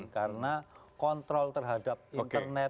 karena kontrol terhadap internet